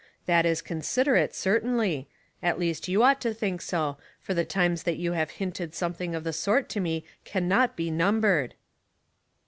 That is considerate, certainly ; at least you ought to think so, for the times that you have hinted something of the sort to me can not be num bered."